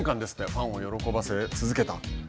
ファンを喜ばせ続けた。